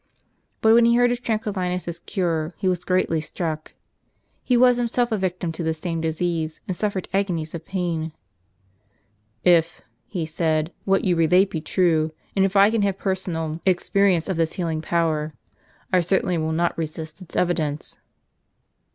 But when he heard of Tranquillinus' s cure, he was greatly struck. He was himself a victim to the same disease, and suffered agonies of pain. " If," he said, " what you relate be true, and if I can have personal experience of this healing power, I certainly will not resist its evidence."